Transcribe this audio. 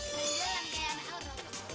dung dung rog